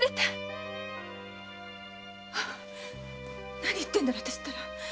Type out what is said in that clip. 何言ってんだろあたしったら。